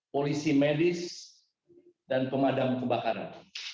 polisi medis dan pemadam kebakaran